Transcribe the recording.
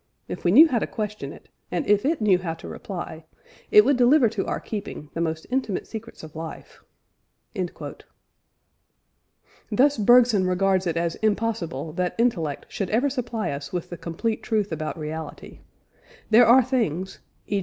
if we knew how to question it, and if it knew how to reply, it would deliver to our keeping the most intimate secrets of life." Thus Bergson regards it as impossible that intellect should ever supply us with the complete truth about reality; there are things, e.